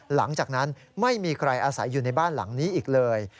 หลังจากนั้นไม่มีใครอาศัยอยู่ในบ้านหลังนี้อีกเลย